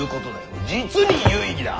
実に有意義だ！